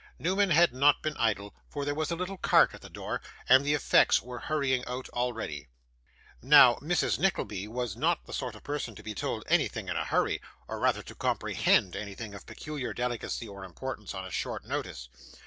Newman had not been idle, for there was a little cart at the door, and the effects were hurrying out already. Now, Mrs. Nickleby was not the sort of person to be told anything in a hurry, or rather to comprehend anything of peculiar delicacy or importance on a short notice.